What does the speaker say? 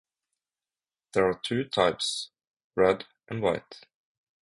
There are two types: red and white.